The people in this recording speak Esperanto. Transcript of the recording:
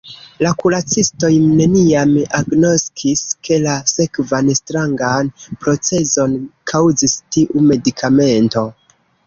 La kuracistoj neniam agnoskis, ke la sekvan strangan procezon kaŭzis tiu medikamento.